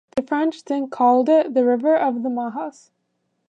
The French then called it The River of the Mahas.